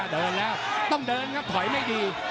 เดินแล้วต้องเดินครับถอยไม่ดี